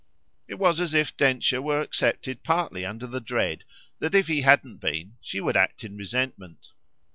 It was as if Densher were accepted partly under the dread that if he hadn't been she would act in resentment.